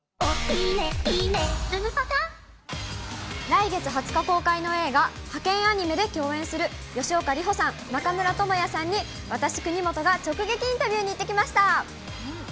来月２０日公開の映画、ハケンアニメ！で共演する、吉岡里帆さん、中村倫也さんに、私、国本が直撃インタビューに行ってきました。